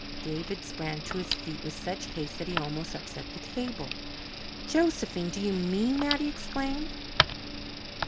David sprang to his feet with such haste that he almost upset the table. "Josephine, do you mean that?" he exclaimed.